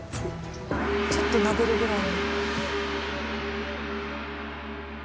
ちょっと撫でるぐらい。